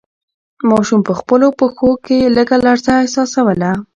ماشوم په خپلو پښو کې لږه لړزه احساسوله.